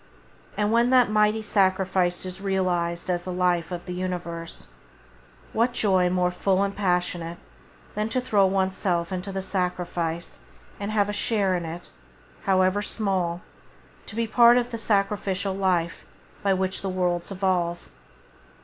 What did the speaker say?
And when that mighty sacrifice is realized as the life of the universe, what joy more full and passionate than to throw oneself into the sacrifice and have a share in it, however small, to be part of the sacrificial life by which the worlds evolve.